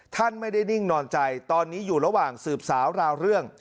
ท่านไม่ได้นิ่งนอนใจตอนนี้อยู่ระหว่างสืบสาวราวเรื่อง